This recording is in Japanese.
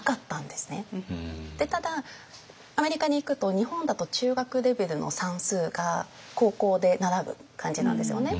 ただアメリカに行くと日本だと中学レベルの算数が高校で習う感じなんですよね。